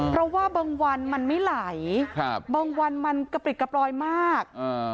เพราะว่าบางวันมันไม่ไหลบางวันมันกระปริกกระปลอยมาก